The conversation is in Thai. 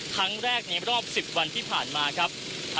ครั้งแรกในรอบ๑๐วันที่ผ่านมาครับ